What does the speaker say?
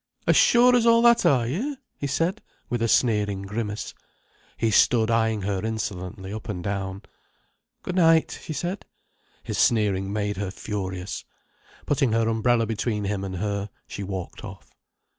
"As sure as all that, are you!" he said, with a sneering grimace. He stood eyeing her insolently up and down. "Good night," she said. His sneering made her furious. Putting her umbrella between him and her, she walked off.